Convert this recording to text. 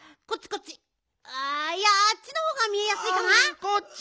こっちいやあっちのほうが見えやすいかな。